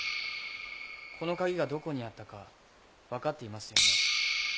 この鍵がどこにあったか分かっていますよね？